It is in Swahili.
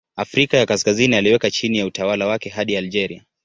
Afrika ya Kaskazini aliweka chini ya utawala wake hadi Algeria.